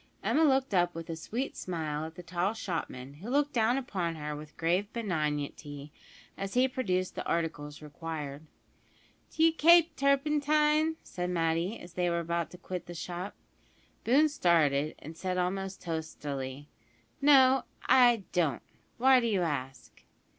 Emma looked up with a sweet smile at the tall shopman, who looked down upon her with grave benignity, as he produced the articles required. "D'you kape turpentine?" said Matty, as they were about to quit the shop. Boone started, and said almost testily, "No, I don't. Why do you ask?"